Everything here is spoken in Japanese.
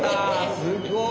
すっごい！